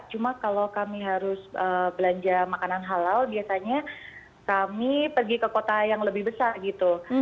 cuma kalau kami harus belanja makanan halal biasanya kami pergi ke kota yang lebih besar gitu